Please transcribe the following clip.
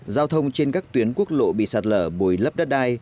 giao thông trên các tuyến quốc lộ bị sạt lở bồi lấp đất đai